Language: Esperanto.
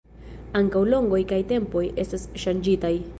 Ankaŭ longoj kaj tempoj estas ŝanĝitaj.